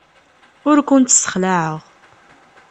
Ur kent-ssexlaɛeɣ.